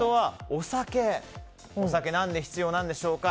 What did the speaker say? お酒、何で必要なんでしょうか。